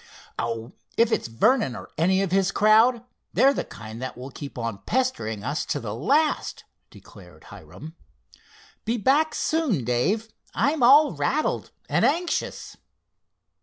"Oh, if it's Vernon, or any of his crowd, they're the kind that will keep on pestering us to the last," declared Hiram. "Be back soon, Dave. I'm all rattled, and anxious."